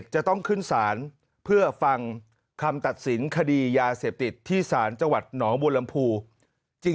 จะต้องขึ้นศาลเพื่อฟังคำตัดสินคดียาเสพติดที่ศาลจังหวัดหนองบัวลำพู